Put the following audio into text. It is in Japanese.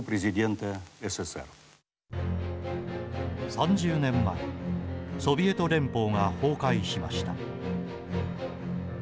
３０年前ソビエト連邦が崩壊しました。